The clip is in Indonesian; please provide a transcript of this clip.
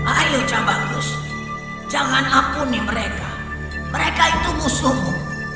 ayo cabangus jangan aku nih mereka mereka itu musuhmu